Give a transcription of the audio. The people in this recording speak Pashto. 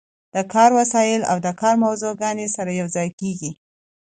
د کار وسایل او د کار موضوعګانې سره یوځای کیږي.